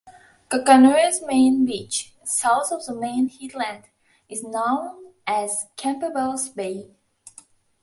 Kakanui's main beach, south of the main headland, is known as Campbell's Bay.